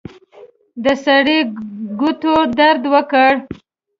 د سړي ګوتو درد وکړ.